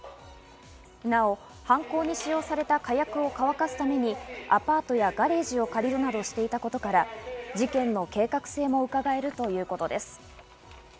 なお、犯行に使用された火薬を乾かすためにアパートやガレージを借りるなどしていたことから、事件の計画性もうかがえるということです。